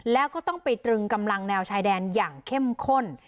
แล้วก็ต้องไปตรึงกำลังแนวชายแดนอย่างเข้มข้น